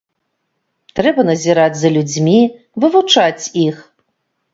Трэба назіраць за людзьмі, вывучаць іх.